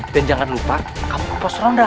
dan jangan lupa kamu ke pos ronda